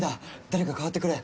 誰か代わってくれ。